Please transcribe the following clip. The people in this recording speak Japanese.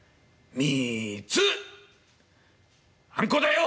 「あんこだよ！」。